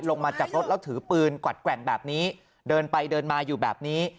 ลงมาจากรถแล้วถือปืนกวัดแกว่งแบบนี้เดินไปเดินมาอยู่แบบนี้